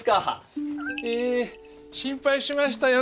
え心配しましたよ